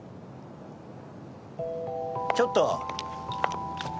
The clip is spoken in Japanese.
ちょっと！